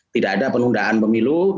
tidak ada penundaan pemilu